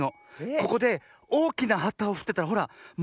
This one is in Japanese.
ここでおおきなはたをふってたらほらもろ